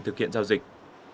thực hiện giao dịch